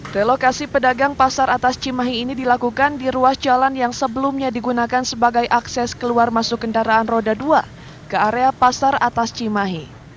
relokasi pedagang pasar atas cimahi ini dilakukan di ruas jalan yang sebelumnya digunakan sebagai akses keluar masuk kendaraan roda dua ke area pasar atas cimahi